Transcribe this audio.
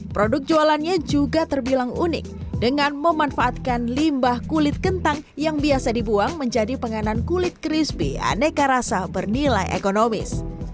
produk jualannya juga terbilang unik dengan memanfaatkan limbah kulit kentang yang biasa dibuang menjadi penganan kulit crispy aneka rasa bernilai ekonomis